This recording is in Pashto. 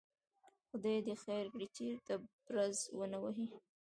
خدای دې خیر کړي، چېرته بړز ونه وهي.